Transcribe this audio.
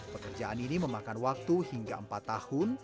pekerjaan ini memakan waktu hingga empat tahun